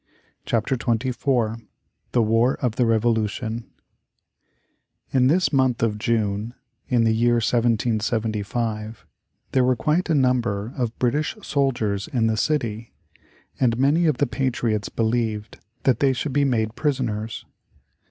CHAPTER XXIV THE WAR of the REVOLUTION In this month of June, in the year 1775, there were quite a number of British soldiers in the city, and many of the patriots believed that they should be made prisoners.